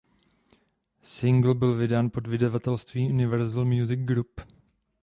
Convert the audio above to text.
Singl byl vydán pod vydavatelstvím Universal Music Group.